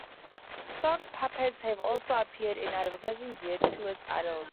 Sock puppets have also appeared in advertising geared towards adults.